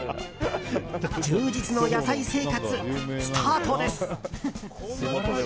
充実の野菜生活スタートです。